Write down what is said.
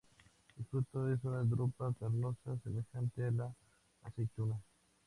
El fruto es una drupa carnosa semejante a la aceituna.